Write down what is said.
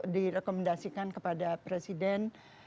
direkomendasikan kepada presiden